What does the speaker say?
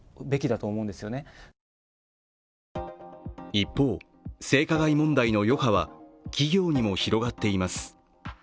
一方、性加害問題の余波は企業にも広がっています。